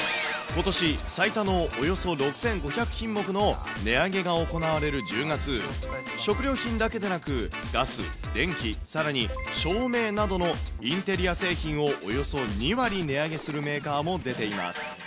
ことし最多のおよそ６５００品目の値上げが行われる１０月、食料品だけでなく、ガス、電気、さらに照明などのインテリア製品を、およそ２割値上げするメーカーも出ています。